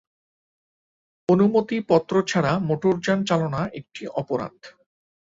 অনুমতিপত্র ছাড়া মোটরযান চালনা একটি অপরাধ।